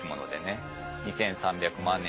２，３００万年